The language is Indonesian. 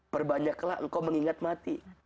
perbanyaklah engkau mengingat mati